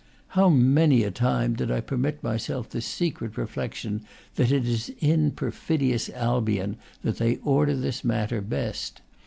How many a time did I permit myself the secret reflection that it is in perfidious Albion that they order this matter best!